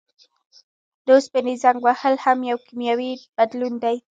د اوسپنې زنګ وهل هم یو کیمیاوي بدلون دی.